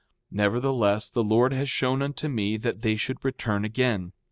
6:9 Nevertheless, the Lord has shown unto me that they should return again.